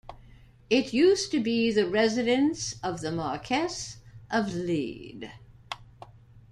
It used to be the residence of the Marquess of Lede.